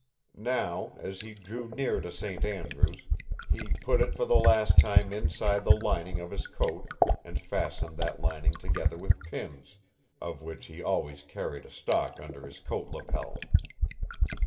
Now, as he drew near to St. Andrews, he put it for the last time inside the lining of his coat, and fastened that lining together with pins, of which he always carried a stock under his coat lapel.